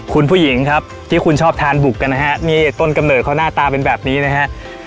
คุณผู้หญิงครับที่คุณชอบทานบุกกันนะฮะนี่ต้นกำเนิดเขาหน้าตาเป็นแบบนี้นะฮะ